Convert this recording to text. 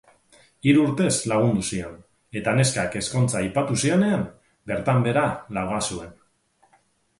Hiru urtez lagundu zion, eta neskak ezkontza aipatu zionean, bertan behera laga zuen.